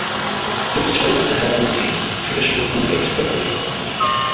It was chosen to help maintain traditional home-baked cookery.